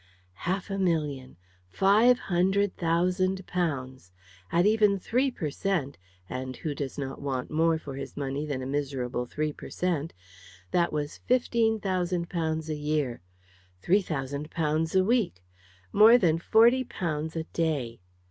Half a million! Five hundred thousand pounds! At even 3 per cent. and who does not want more for his money than a miserable 3 per cent.? that was fifteen thousand pounds a year. Three hundred pounds a week. More than forty pounds a day.